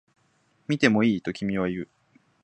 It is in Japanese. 見てもいい？と君は言う